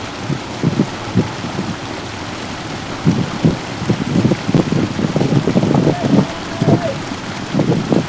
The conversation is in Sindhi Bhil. ٻآر ڏسي جآم کُش ٿئيٚݩ دآ۔